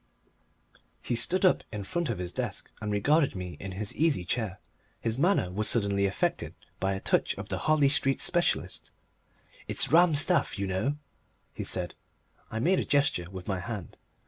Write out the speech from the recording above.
He stood up in front of his desk and regarded me in his easy chair; his manner was suddenly affected by a touch of the Harley Street specialist. "It's rum stuff, you know," he said. I made a gesture with my hand.